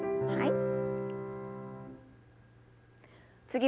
はい。